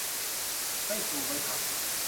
ไม่ชู ไม่ผัก